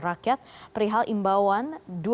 rakyat perihal imbauan